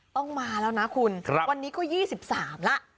ต้องมาแล้วนะคุณวันนี้ก็๒๓แล้ว